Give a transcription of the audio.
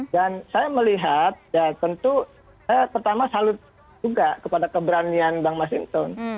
dan saya melihat ya tentu saya pertama salut juga kepada keberanian bang masinton